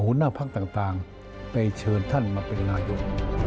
หัวหน้าพักต่างไปเชิญท่านมาเป็นนายก